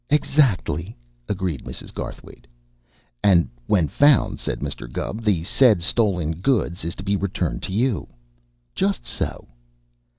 "Exactly," agreed Mrs. Garthwaite. "And, when found," said Mr. Gubb, "the said stolen goods is to be returned to you?" "Just so."